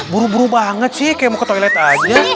buru buru banget sih kayak mau ke toilet aja